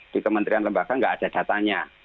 di kementerian lembaga nggak ada datanya